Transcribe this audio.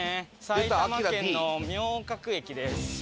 埼玉県の明覚駅です。